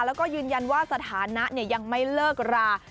แล้วก็ยืนยันว่าสถานะยังไม่เลิกรา